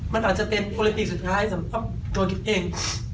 มันอาจจะเป็นโรงพิธีสุดท้ายสำหรับโดยกิจเอง